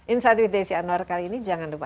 insight with desi anwar kali ini jangan lupa